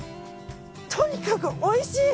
とにかく、おいしい！